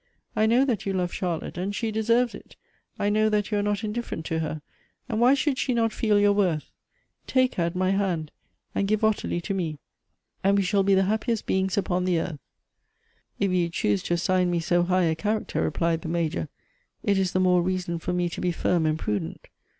I know th.it you love Charlotte, and she deserves it. I know that you are not indifferent to her, and why should she not feel your worth? Take her at my hand and give 270 G O E T B E ' 8 Ottilie to me, and we shall be the happiest beings upon the earth." 4' If you choose to assign me so high a character," /replied the Major, "it is the more renson for me to be ' firm and prudent.